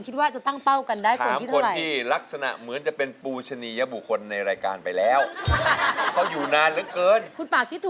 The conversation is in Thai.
ถ้า๕แสนนี่ก็ต้องไปได้ดิ่งที่๙